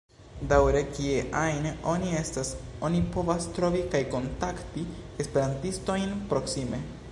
Daŭre kie ajn oni estas, oni povas trovi kaj kontakti esperantistojn proksime.